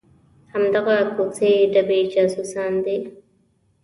همدغه کوڅې ډبي جاسوسان دي.